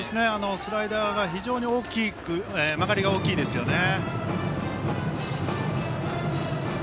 スライダーが非常に曲がりが大きいですね。